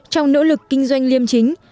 trong nỗ lực kinh doanh liêm chính